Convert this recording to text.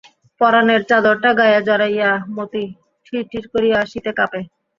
পরাণের চাদরটা গায়ে জড়াইয়া মতি ঠিরঠির করিয়া শীতে কাঁপে।